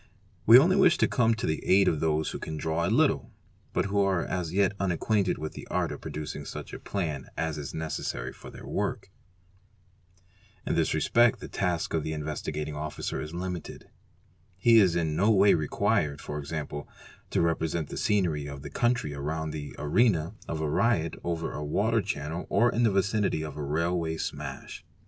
We only wish to come to the aid of those ho can draw a little, but who are as yet unacquainted with the art of dducing such a plan as is necessary for their work. In this respect STEN SLM, ALERTS ANANTH * ORRURS* RRL TUNE RTA Mist Jw ae e task of the Investigating Officer is limited. He is in no way required, 57 450 DRAWING AND ALLIED ARTS e.g., to represent the scenery of the country around the arena of a riot over a water channel or in the vicinity of a railway smash.